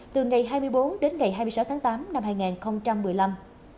từ ngày hai mươi bốn đến ngày hai mươi sáu tháng tám năm hai nghìn một mươi năm